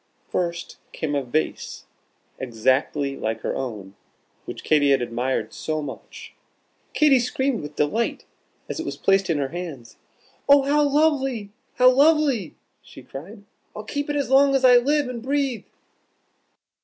First came a vase exactly like her own, which Katy had admired so much. Katy screamed with delight as it was placed in her hands: "Oh, how lovely! how lovely!" she cried. "I'll keep it as long as I live and breathe."